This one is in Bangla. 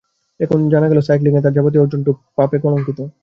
এখন যখন জানা গেল সাইক্লিংয়ে তাঁর যাবতীয় অর্জন ডোপ পাপে কলঙ্কিত।